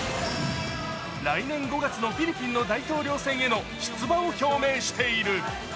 来年５月のフィリピンの大統領選への出馬を表明している。